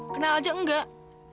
kenal aja enggak